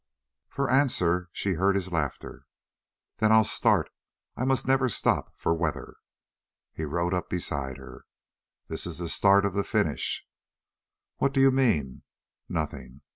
For answer she heard his laughter. "Then I'll start. I must never stop for weather." He rode up beside her. "This is the start of the finish." "What do you mean?" "Nothing.